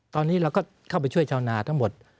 ตอนนี้เราก็เข้าไปช่วยชาวนาทั้งหมด